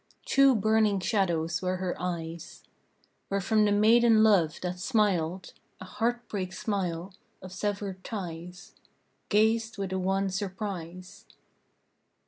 Two burning shadows were her eyes, Wherefrom the maiden love, that smiled A heartbreak smile of severed ties, Gazed with a wan surprise.